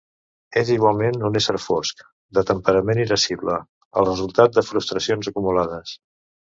És igualment un ésser fosc, de temperament irascible, el resultat de frustracions acumulades.